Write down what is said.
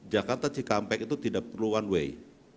jakarta cikampek itu tidak perlu one way